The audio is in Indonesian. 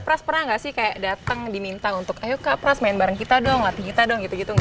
pras pernah nggak sih kayak datang diminta untuk ayo kak pras main bareng kita dong latih kita dong gitu gitu